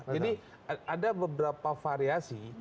jadi ada beberapa variasi